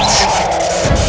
sama sama dengan kamu